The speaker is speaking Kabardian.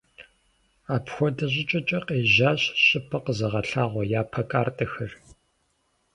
Апхуэдэ щӀыкӀэкӀэ къежьащ щӀыпӀэ къэзыгъэлъагъуэ япэ картэхэр.